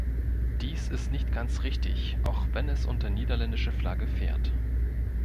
Dies ist nicht ganz richtig, auch wenn es unter niederländischer Flagge fährt.